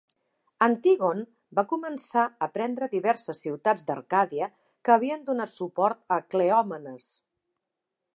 Antígon va començar a prendre diverses ciutats d'Arcàdia que havien donat suport a Cleòmenes.